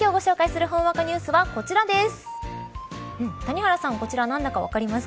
今日ご紹介するほんわかニュースはこちらです。